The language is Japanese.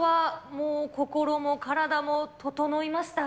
もう心も体も整いました？